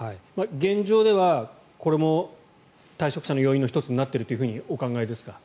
現状ではこれも、退職者の要因の１つになっているとお考えですか？